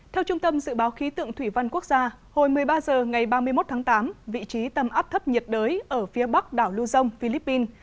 theo trung tâm dự báo khí tượng thủy văn quốc gia hồi một mươi ba h ngày ba mươi một tháng tám vị trí tâm áp thấp nhiệt đới ở phía bắc đảo lưu dông philippines